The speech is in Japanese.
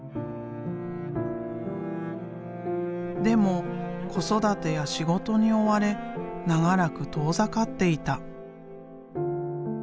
でも子育てや仕事に追われ長らく遠ざかっていた。